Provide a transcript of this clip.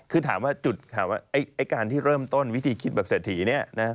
คือถามว่าจุดถามว่าไอ้การที่เริ่มต้นวิธีคิดแบบเศรษฐีเนี่ยนะ